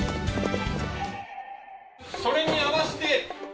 それに合わせて。